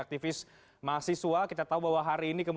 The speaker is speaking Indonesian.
di saat lain